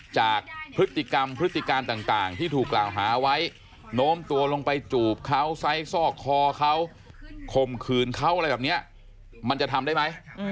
จากพฤติกรรมพฤติการต่างที่ถูกกล่าวหาไว้โน้มตัวลงไปจูบเขาไซสอกคอเขาข่มขืนเขาอะไรแบบนี้มันจะทำได้ไหม